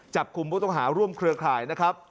จับกลุ่มผู้ต้องหาร่วมเครือข่ายนะครับ